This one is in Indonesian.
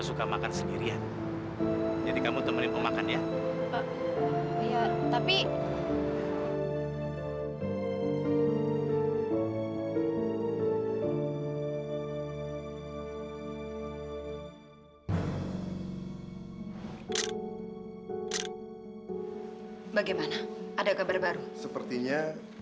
sampai jumpa di video selanjutnya